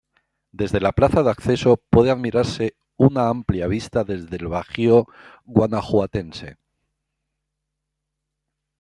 Desde la plaza de acceso puede admirarse una amplia vista del Bajío guanajuatense.